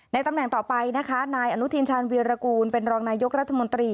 ตำแหน่งต่อไปนะคะนายอนุทินชาญวีรกูลเป็นรองนายกรัฐมนตรี